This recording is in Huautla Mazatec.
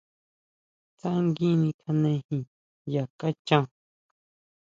Tsangui nikjanejin ya kaxhan.